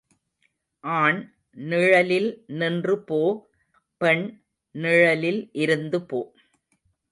ஆண் நிழலில் நின்று போ பெண் நிழலில் இருந்து போ.